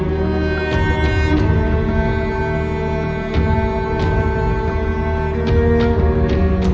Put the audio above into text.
แล้วทำไมวันนี้ถึงมอบตัวล่ะค่ะ